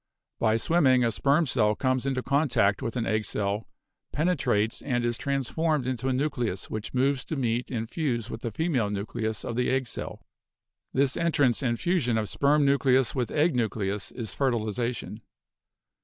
By swimming a sperm cell comes into contact with an egg cell, penetrates and is transformed into a nucleus which moves to meet and fuse with the female nucleus of the egg cell. This en trance and fusion of sperm nucleus with egg nucleus is fertilization.